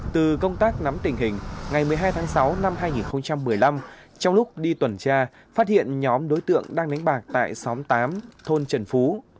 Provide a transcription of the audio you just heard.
từ công tác nắm tình hình ngày một mươi hai tháng sáu năm hai nghìn một mươi năm trong lúc đi tuần tra phát hiện nhóm đối tượng đang đánh bạc tại xóm tám thôn trần phú